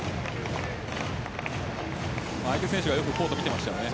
相手選手がよくコートを見ていました。